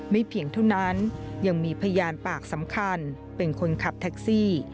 เพียงเท่านั้นยังมีพยานปากสำคัญเป็นคนขับแท็กซี่